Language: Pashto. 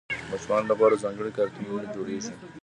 د ماشومانو لپاره ځانګړي کارتونونه جوړېږي.